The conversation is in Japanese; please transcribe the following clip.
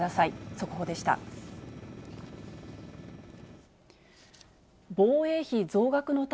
速報でした。